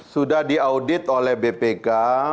sudah diaudit oleh bpk